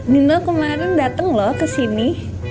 nino kemarin dateng loh kesini